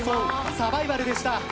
サバイバルでした。